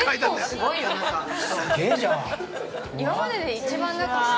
◆すげえじゃん。